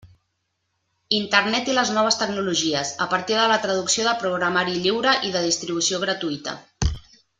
Internet i les noves tecnologies, a partir de la traducció de programari lliure i de distribució gratuïta.